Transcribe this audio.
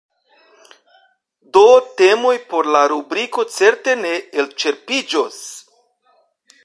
Do temoj por la rubriko certe ne elĉerpiĝos.